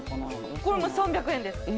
これも３００円です！